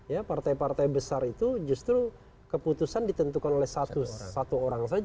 ya partai partai besar itu justru keputusan ditentukan oleh satu orang saja